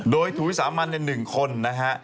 โดยถุ้ยสามัญในหนึ่งคนนะฮะ